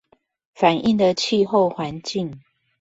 反映的氣候環境